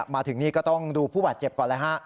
มาถึงนี่ก็ต้องดูผู้บาดเจ็บก่อนเลยฮะ